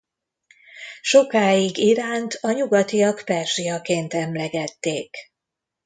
Sokáig Iránt a nyugatiak Perzsiaként emlegették.